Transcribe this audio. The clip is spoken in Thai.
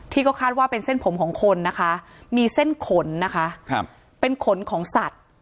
ก็คาดว่าเป็นเส้นผมของคนนะคะมีเส้นขนนะคะเป็นขนของสัตว์